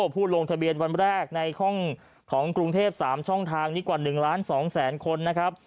ผู้ลงทะเบียนวันแรกในห้องของกรุงเทพ๓ช่องทางนี้กว่า๑ล้าน๒แสนคนนะครับ